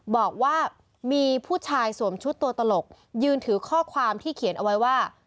บอกว่ามีผู้ชายสวมชุดตัวตลกยืนถือข้อความที่เขียนเอาไว้ว่า